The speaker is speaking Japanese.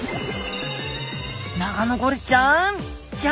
ナガノゴリちゃんギョっち！